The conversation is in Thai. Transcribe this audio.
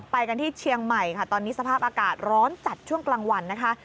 ไปกันที่เชียงใหม่ค่ะตอนนี้สภาพอากาศร้อนจัดช่วงกลางวันนะคะ